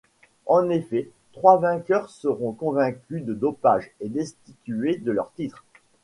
En effet, trois vainqueurs seront convaincus de dopage et destitués de leurs titres.